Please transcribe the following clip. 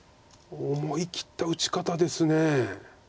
思い切った打ち方です。